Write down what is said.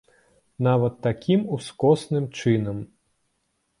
Нават такім ускосным чынам.